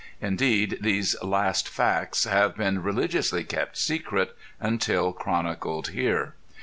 Indeed these last facts have been religiously kept secret until chronicled here.